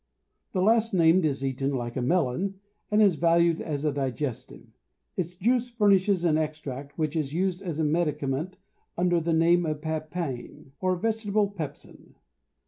The last named is eaten like a melon, and is valued as a digestive; its juice furnishes an extract which is used as a medicament under the name of papaine, or vegetable pepsin.